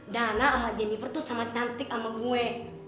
dana sama jennifer tuh sama cantik sama gue